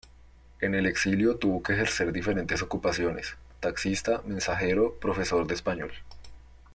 En el exilio tuvo que ejercer diferentes ocupaciones: taxista, mensajero, profesor de español.